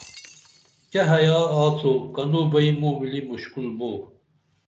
کیہ خیا آڅو کنوں بئی موں ملی مُشکُل بو